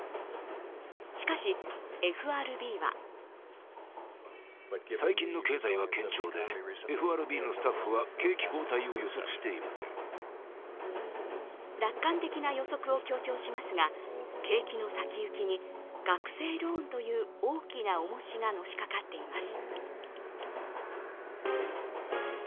しかし、ＦＲＢは楽観的な予測を強調しますが、景気の先行きに学生ローンという大きなおもしがのしかかっています。